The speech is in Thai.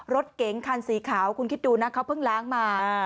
รถเก๋งคันสีขาวคุณคิดดูนะเขาเพิ่งล้างมา